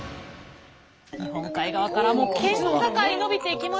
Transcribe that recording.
日本海側から県境延びていきまして。